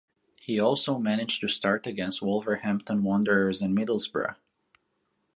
He also managed to start against Wolverhampton Wanderers and Middlesbrough.